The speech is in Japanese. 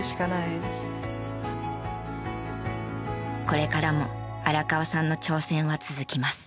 これからも荒川さんの挑戦は続きます。